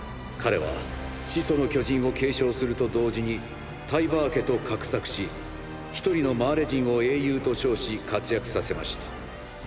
彼は「始祖の巨人」を継承すると同時にタイバー家と画策しひとりのマーレ人を英雄と称し活躍させました。